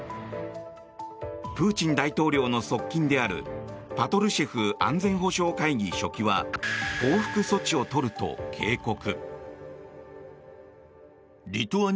プーチン大統領の側近であるパトルシェフ安全保障会議書記は報復措置を取ると警告。